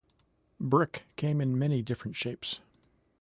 Brick came in many different shapes.